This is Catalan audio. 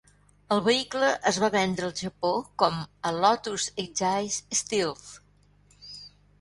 El vehicle es va vendre al Japó com "Lotus Exige Stealth".